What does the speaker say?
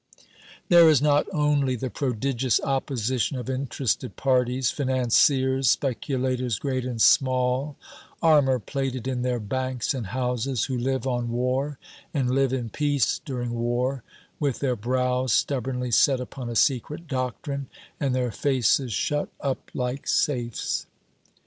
There is not only the prodigious opposition of interested parties financiers, speculators great and small, armorplated in their banks and houses, who live on war and live in peace during war, with their brows stubbornly set upon a secret doctrine and their faces shut up like safes.